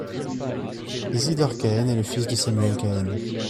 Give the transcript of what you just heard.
Isidore Cahen est le fils de Samuel Cahen.